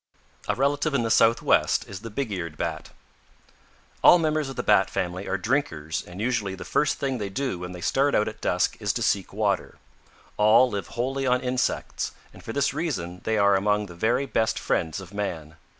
A relative in the Southwest is the Big eared Bat. "All members of the Bat family are drinkers and usually the first thing they do when they start out at dusk is to seek water. All live wholly on insects, and for this reason they are among the very best friends of man.